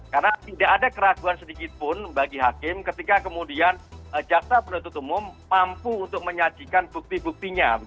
karena tidak ada keraguan sedikit pun bagi hakim ketika kemudian jaksa penutup umum mampu untuk menyajikan bukti buktinya